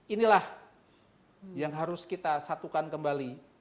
inilah yang harus kita satukan kembali